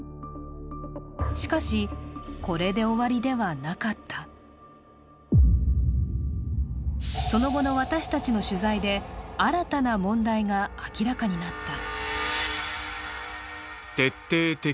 しかし、これで終わりではなかったその後の私たちの取材で、新たな問題が明らかになった。